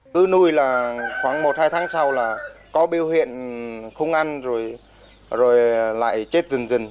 cứ nuôi là khoảng một hai tháng sau là có biểu hiện không ăn rồi lại chết dần rừng